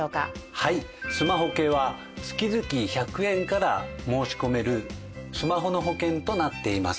はいスマホケは月々１００円から申し込めるスマホの保険となっています。